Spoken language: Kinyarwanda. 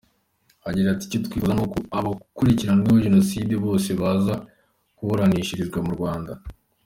Agira ati : "Icyo twifuza ni uko abakurikiranweho jenoside bose baza kuburanishirizwa mu Rwanda.